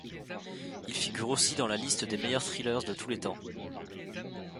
Il figure aussi dans la liste des meilleurs thrillers de tous les temps.